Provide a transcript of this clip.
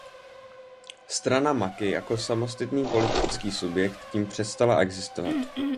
Strana Maki jako samostatný politický subjekt tím přestala existovat.